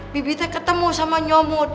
bibik teh ketemu sama nyomot